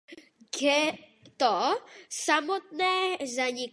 Ghetto samotné zaniklo.